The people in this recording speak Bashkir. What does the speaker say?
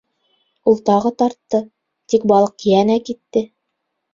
Ул тағы тартты, тик балыҡ йәнә китте.